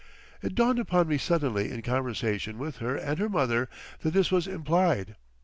It dawned upon me suddenly in conversation with her and her mother, that this was implied.